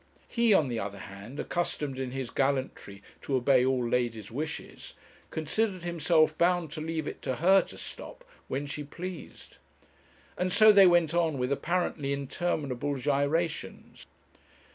He, on the other hand, accustomed in his gallantry to obey all ladies' wishes, considered himself bound to leave it to her to stop when she pleased. And so they went on with apparently interminable gyrations.